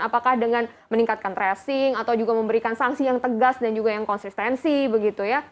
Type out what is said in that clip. apakah dengan meningkatkan tracing atau juga memberikan sanksi yang tegas dan juga yang konsistensi begitu ya